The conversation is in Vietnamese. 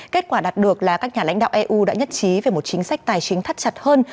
kết quả đạt được là các nhà lãnh đạo eu đã nhất trí về một chính sách tài chính thắt chặt hơn